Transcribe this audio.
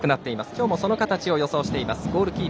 今日もその形を予想しています。